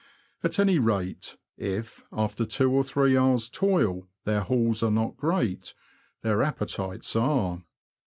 At any rate, if, after two or three hours' toil, their hauls are not great, their appetites are.